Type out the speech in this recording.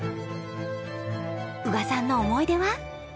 宇賀さんの思い出は？